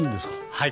はい。